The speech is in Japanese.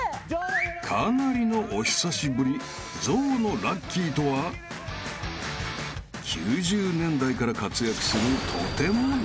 ［かなりのお久しぶり象のラッキィとは９０年代から活躍するとても］